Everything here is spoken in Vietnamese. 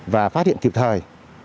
và phát hiện kịp thời